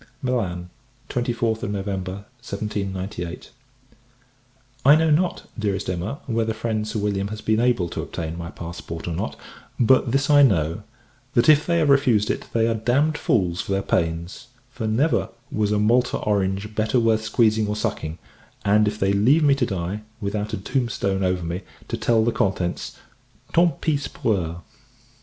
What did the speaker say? Milan, 24th November 1798. I know not, Dearest Emma, whether friend Sir William has been able to obtain my passport, or not; but this I know that, if they have refused it, they are damned fools for their pains: for, never was a Malta orange better worth squeezing or sucking; and if they leave me to die, without a tombstone over me, to tell the contents "tant pis pour eux!"